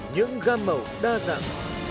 những gam màu đa dạng